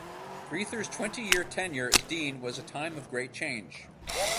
Grether's twenty-year tenure as dean was a time of great change.